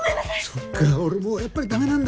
そっか俺もうやっぱりダメなんだ。